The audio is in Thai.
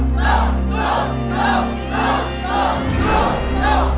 สู้